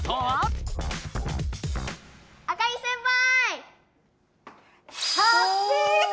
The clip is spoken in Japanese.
あかり先輩！